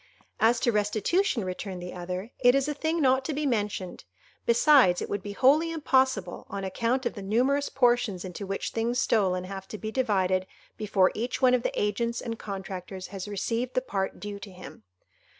"As to restitution," returned the other, "it is a thing not to be mentioned; besides, it would be wholly impossible, on account of the numerous portions into which things stolen have to be divided before each one of the agents and contractors has received the part due to him.